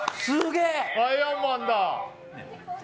アイアンマンだ。